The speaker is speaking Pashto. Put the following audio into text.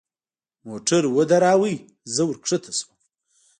موټر مو ودراوه زه وركښته سوم.